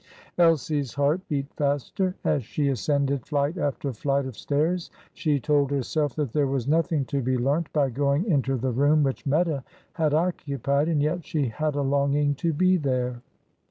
Elsie's heart beat faster. As she ascended flight after flight of stairs she told herself that there was nothing to be learnt by going into the room which Meta had occupied, and yet she had a longing to be there.